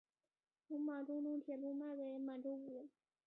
并将中东铁路卖给满洲国。